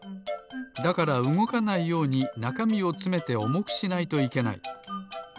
だからうごかないようになかみをつめておもくしないといけない。